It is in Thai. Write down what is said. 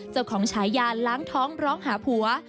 เจ้าของฉายาล้างท้องร้องหาผัว